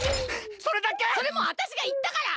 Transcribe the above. それもうわたしがいったから！